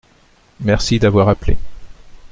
Merci d’avoir appelé.